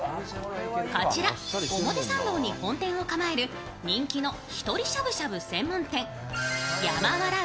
こちら、表参道に本店を構える人気の１人しゃぶしゃぶ専門店、山笑